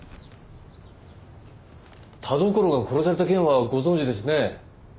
田所が殺された件はご存じですね？